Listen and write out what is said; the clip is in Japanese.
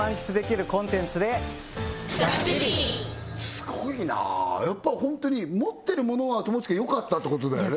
すごいなやっぱり本当に持ってるものは友近良かったってことだよね